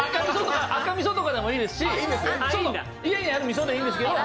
赤みそとかでもいいですし、家にあるみそでいいんですけど。